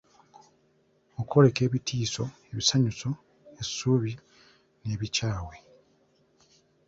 Okwoleka ebitiiso, ebisanyuso, essuubi n’ebikyawe.